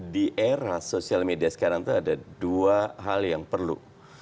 di era sosial media sekarang itu ada dua hal yang perlu